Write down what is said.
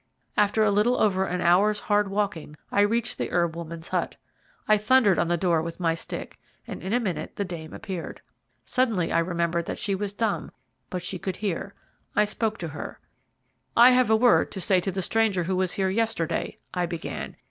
After a little over an hour's hard walking, I reached the herb woman's hut. I thundered on the door with my stick, and in a minute the dame appeared. Suddenly I remembered that she was dumb, but she could hear. I spoke to her. "I have a word to say to the stranger who was here yesterday," I began.